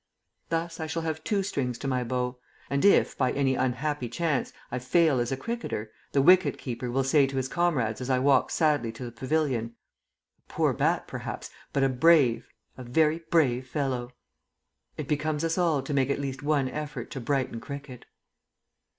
Thus I shall have two strings to my bow. And if, by any unhappy chance, I fail as a cricketer, the wicket keeper will say to his comrades as I walk sadly to the pavilion, "A poor bat perhaps, but a brave a very brave fellow." It becomes us all to make at least one effort to brighten cricket.